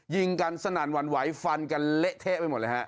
ยิงกันสนั่นหวั่นไหวฟันกันเละเทะไปหมดเลยฮะ